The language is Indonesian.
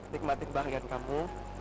nikmati bahagian kamu